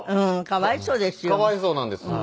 かわいそうなんです。